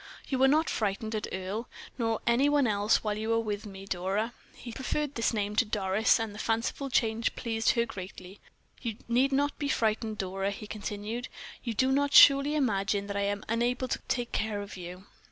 "You are not frightened at Earle, nor any one else, while you are with me, Dora?" He preferred this name to Doris, and the fanciful change pleased her greatly. "You need not be frightened, Dora," He continued. "You do not surely imagine that I am unable to take care of you?"